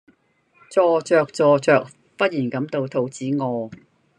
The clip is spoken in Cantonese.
坐著坐著忽然感到肚子餓